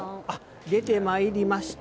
出てまいりました。